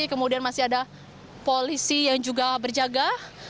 kemudian masih ada polisi yang juga berjaga